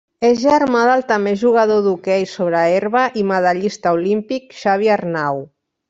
És germà del també jugador d'hoquei sobre herba i medallista olímpic Xavi Arnau.